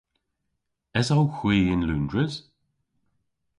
Esowgh hwi yn Loundres?